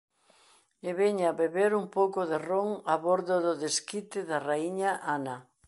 E veña beber un pouco de ron a bordo do Desquite da raíña Ana.